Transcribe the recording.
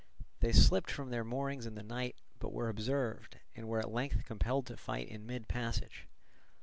They slipped from their moorings in the night, but were observed, and were at length compelled to fight in mid passage.